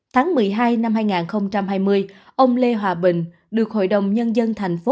tháng một mươi hai năm hai nghìn hai mươi ông lê hòa bình được hội đồng nhân dân thành phố